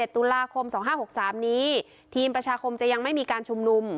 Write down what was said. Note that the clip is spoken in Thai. ตุลาคม๒๕๖๓นี้ทีมประชาคมจะยังไม่มีการชุมนุม